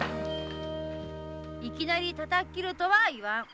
いきなりたたき斬るとは言わん。